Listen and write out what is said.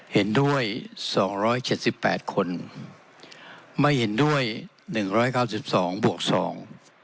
เห็นด้วยสองร้อยเจ็ดสิบแปดคนไม่เห็นด้วยหนึ่งร้อยเก้าสิบสองบวกสอง